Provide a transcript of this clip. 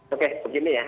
oke begini ya